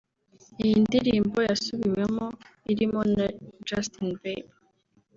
Iyi ndirimbo yasubiwemo irimo na Justin Bieber